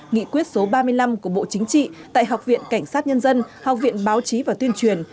nghị quyết số ba mươi năm của bộ chính trị tại học viện cảnh sát nhân dân học viện báo chí và tuyên truyền